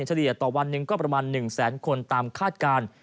เฉลี่ยต่อวันหนึ่งก็ประมาณ๑แสนคนตามคาดการณ์